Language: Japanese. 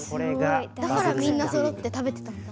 だからみんなそろって食べてたんだ。